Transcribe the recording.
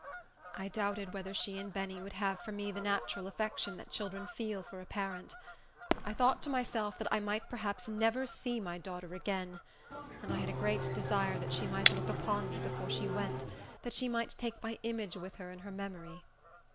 I doubted whether she and Benny would have for me the natural affection that children feel for a parent. I thought to myself that I might perhaps never see my daughter again, and I had a great desire that she should look upon me, before she went, that she might take my image with her in her memory.